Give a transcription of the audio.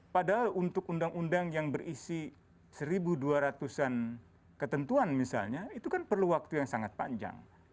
padahal untuk undang undang yang berisi satu dua ratus an ketentuan misalnya itu kan perlu waktu yang sangat panjang